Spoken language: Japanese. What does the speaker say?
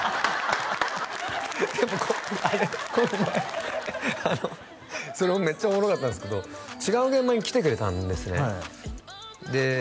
この前それもめっちゃおもろかったんですけど違う現場に来てくれたんですねで